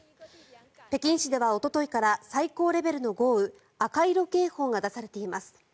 北京市ではおとといから最高レベルの豪雨赤色警報が出されています。